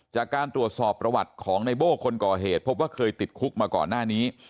จากการตรวจสอบประวัติของในโบ้คนก่อเหตุพบว่าเคยติดคุกมาก่อนหน้านี้